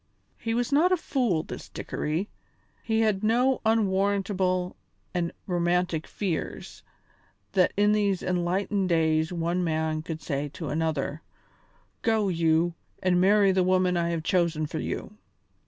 He was not a fool, this Dickory; he had no unwarrantable and romantic fears that in these enlightened days one man could say to another, "Go you, and marry the woman I have chosen for you."